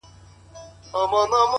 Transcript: o خدایه نور یې د ژوندو له کتار باسه ـ